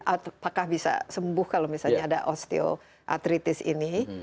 apakah bisa sembuh kalau misalnya ada osteopatritis ini